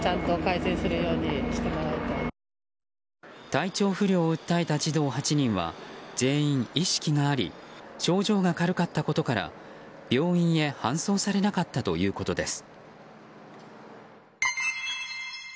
体調不良を訴えた児童８人は全員、意識があり症状が軽かったことから病院へ搬送されなかったということです。